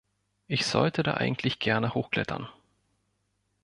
Ich sollte da eigentlich gerne hochklettern!